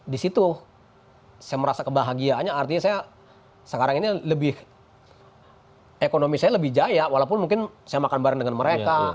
di situ saya merasa kebahagiaannya artinya saya sekarang ini lebih ekonomi saya lebih jaya walaupun mungkin saya makan bareng dengan mereka